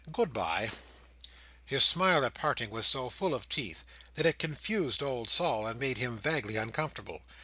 Goodbye!" His smile at parting was so full of teeth, that it confused old Sol, and made him vaguely uncomfortable.